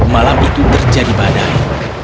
malam itu terjadi badai